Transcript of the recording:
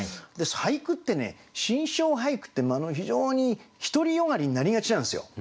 俳句ってね心象俳句って非常に独り善がりになりがちなんですよ。